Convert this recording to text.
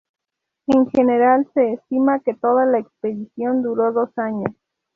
En general, se estima que toda la expedición duró dos años.